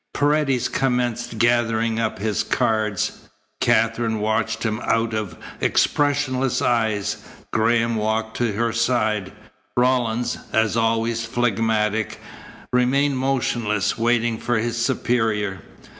Paredes commenced gathering up his cards. Katherine watched him out of expressionless eyes. Graham walked to her side. Rawlins, as always phlegmatic, remained motionless, waiting for his superior.